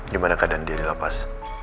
gimana keadaan dia di lepas